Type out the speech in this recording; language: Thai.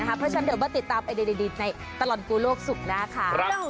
เพราะฉะนั้นเดี๋ยวเราติดตามในตลอดกู้โลกศุกร์น่ะค่ะ